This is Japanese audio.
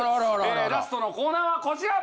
えラストのコーナーはこちら！